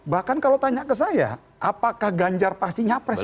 bahkan kalau tanya ke saya apakah ganjar pastinya pres